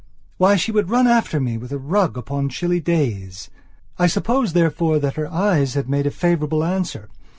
Why, she would run after me with a rug upon chilly days. I suppose, therefore, that her eyes had made a favourable answer.